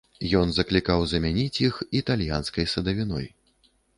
Ён заклікаў замяніць іх італьянскай садавіной.